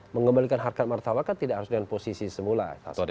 mengembalikan harkat martawa kan tidak harus dengan posisi semula